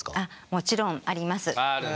もちろんあります。